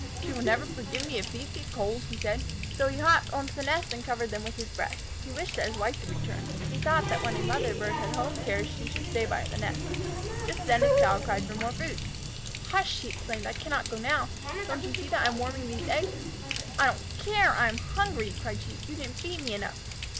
"She will never forgive me if those get cold," he said, so he hopped onto the nest and covered them with his breast. He wished that his wife would return. He thought that when a mother bird had home cares she should stay by the nest. Just then his child cried for more food. [Illustration: STUFFED IT DOWN THE WIDE OPEN BILL. Page 116] "Hush!" he exclaimed. "I cannot go now. Don't you see that I am warming these eggs?" "I don't care! I am hungry," cried she. "You didn't feed me enough."